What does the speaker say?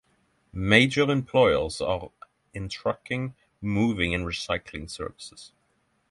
Major employers are in trucking, moving and recycling services.